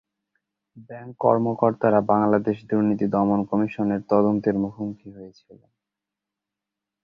Bank কর্মকর্তারা বাংলাদেশ দুর্নীতি দমন কমিশনের তদন্তের মুখোমুখি হয়েছিলেন।